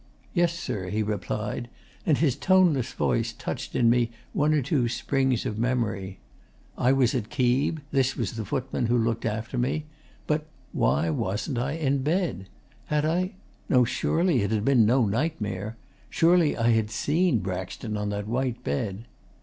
"Yessir," he replied; and his toneless voice touched in me one or two springs of memory: I was at Keeb; this was the footman who looked after me. But why wasn't I in bed? Had I no, surely it had been no nightmare. Surely I had SEEN Braxton on that white bed.